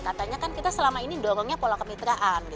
katanya kan kita selama ini dorongnya pola kemitraan